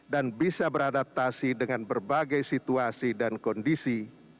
dan bisa beradaptasi dengan berbagai situasi dan kondisi